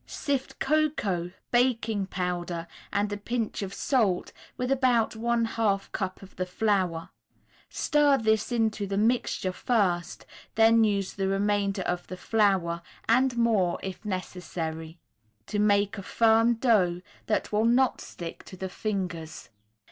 Sift cocoa, baking powder, and a pinch of salt with about one half cup of the flour; stir this into the mixture first, then use the remainder of the flour, and more if necessary, to make a firm dough that will not stick to the fingers.